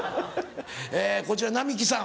こちら並木さん。